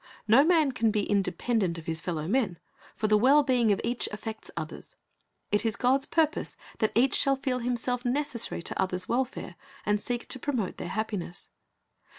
No man can be independent of his fellow men; for the well being of each affects others. It is God's purpose that each shall feel himself necessary to others' welfare, and seek to promote their happiness.